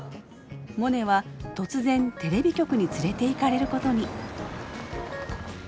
モネは突然テレビ局に連れていかれることに。